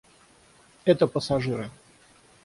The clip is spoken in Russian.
Это пассажиры.